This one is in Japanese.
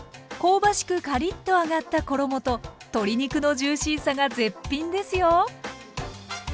香ばしくカリッと揚がった衣と鶏肉のジューシーさが絶品ですよ！